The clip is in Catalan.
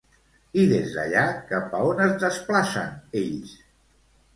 I des d'allà cap a on es desplacen, ells?